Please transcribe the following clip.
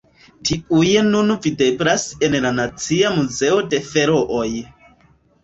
Tiuj nun videblas en la Nacia Muzeo de Ferooj.